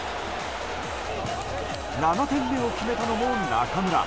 ７点目を決めたのも中村。